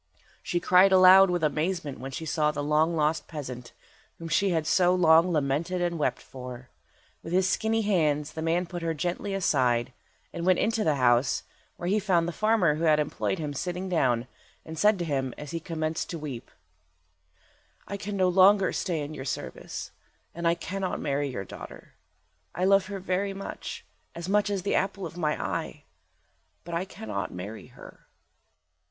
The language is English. She cried aloud with amazement when she saw the long lost peasant, whom she had so long lamented and wept for. With his skinny hands the man put her gently aside, and went into the house, where he found the farmer who had employed him sitting down, and said to him, as he commenced to weep— "I can no longer stay in your service, and I cannot marry your daughter. I love her very much, as much as the apple of my eye, but I cannot marry her."